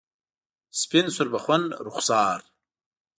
سپین سوربخن رخسار